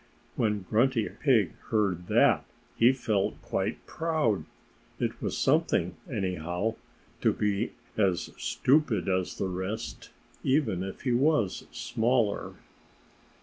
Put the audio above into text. When Grunty Pig heard that he felt quite proud. It was something, anyhow, to be as stupid as the rest, even if he was smaller.